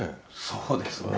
そうですね。